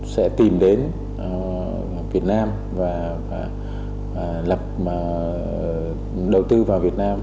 sẽ tìm đến việt nam và lập đầu tư vào việt nam